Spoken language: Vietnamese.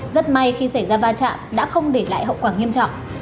rất may khi xảy ra va chạm đã không để lại hậu quả nghiêm trọng